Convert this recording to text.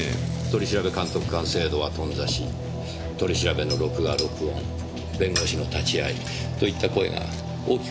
取調監督官制度は頓挫し取り調べの録画録音弁護士の立ち合いといった声が大きくなるかもしれません。